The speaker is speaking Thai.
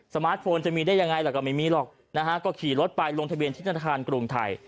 มาร์ทโฟนจะมีได้ยังไงล่ะก็ไม่มีหรอกนะฮะก็ขี่รถไปลงทะเบียนที่ธนาคารกรุงไทย